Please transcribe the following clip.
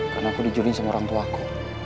karena aku di julin sama orangtuaku